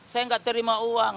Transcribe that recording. saya nggak terima uang